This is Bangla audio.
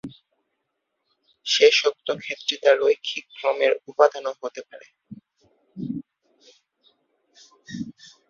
শেষোক্ত ক্ষেত্রে তা "রৈখিক ক্রমের উপাদান"ও হতে পারে।